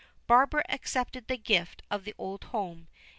Barbara accepted the gift of the old home.